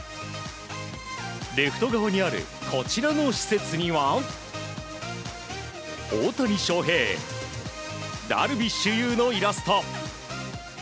レフト側にあるこちらの施設には大谷翔平、ダルビッシュ有のイラスト。